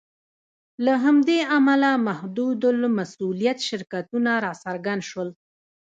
له همدې امله محدودالمسوولیت شرکتونه راڅرګند شول.